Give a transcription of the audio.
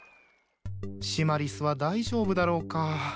シマリスは大丈夫だろうか？